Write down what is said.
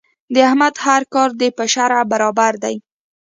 د احمد هر کار د په شرعه برابر دی.